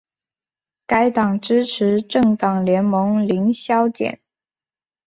该党支持政党联盟零削减。